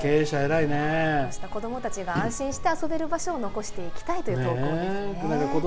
子どもたちが安心して遊べる場所を残していきたいという投稿ですね。